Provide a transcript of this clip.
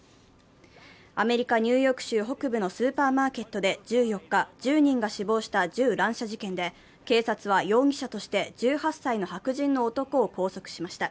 アメリカ・ニューヨーク州北部のスーパーマーケットで１４日、１４日、１０人が死亡した銃乱射事件で警察は容疑者として１８歳の白人の男を拘束しました。